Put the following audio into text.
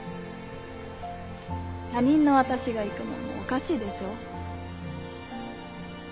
他人の私が行くのもおかしいでしょ。